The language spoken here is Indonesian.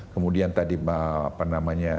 kemudian tadi apa namanya